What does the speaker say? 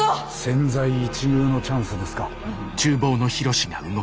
千載一遇のチャンスですか。